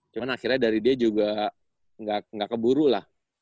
cuman akhirnya dari dia juga ga keburu lah